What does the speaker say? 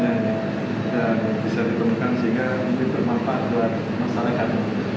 dan bisa diperlukan sehingga ini bermanfaat buat masyarakat